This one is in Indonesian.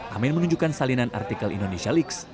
amin menunjukkan salinan artikel indonesia leaks